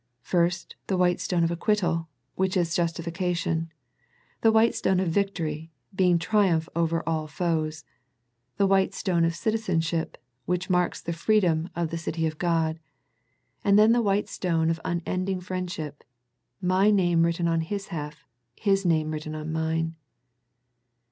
First, the white stone of acquittal , whirh is justification. The white stone o f victory , being triumph over all foes. The white stone of citizensh ip, which marks the freedom of the city of God. And then the white stone of unending Jriendship, my name written on His half, His name written on mine.